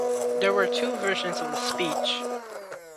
There were two versions of the speech.